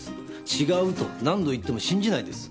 違うと何度言っても信じないんです。